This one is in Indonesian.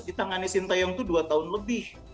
di tangannya sintayong itu dua tahun lebih